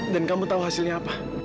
dan kamu tau hasilnya apa